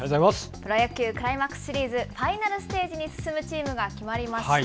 プロ野球クライマックスシリーズファイナルステージに進むチームが決まりました。